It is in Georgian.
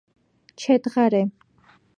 ჩე დღა რე